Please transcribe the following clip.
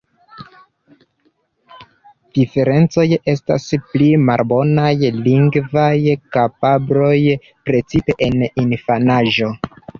Diferencoj estas pli malbonaj lingvaj kapabloj, precipe en infanaĝo.